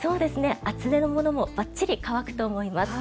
厚手のものもばっちり乾くと思います。